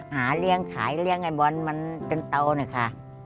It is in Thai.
หาเลี้ยงขายเลี้ยงไอ้บอลมันเป็นเตานะคะ